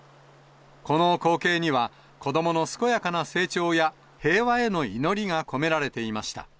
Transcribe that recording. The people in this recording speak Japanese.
この光景には、子どもの健やかな成長や、平和への祈りが込められていました。